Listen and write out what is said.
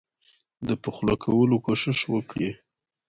د پخلا کولو کوښښ وکړي.